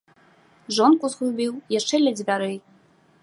Жонку згубіў яшчэ ля дзвярэй.